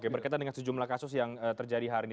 berkaitan dengan sejumlah kasus yang terjadi hari ini